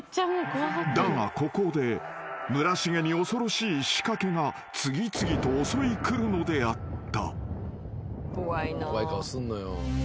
［だがここで村重に恐ろしい仕掛けが次々と襲い来るのであった］